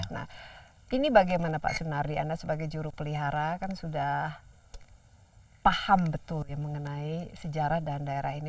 nah ini bagaimana pak sunardi anda sebagai juru pelihara kan sudah paham betul ya mengenai sejarah dan daerah ini